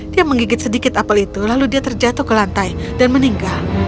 dia menggigit sedikit apel itu lalu dia terjatuh ke lantai dan meninggal